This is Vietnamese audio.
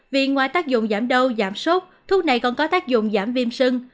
vì ngoài tác dụng giảm đau giảm sốt thuốc này còn có tác dụng giảm viêm sưng